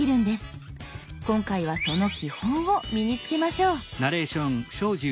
今回はその基本を身に付けましょう。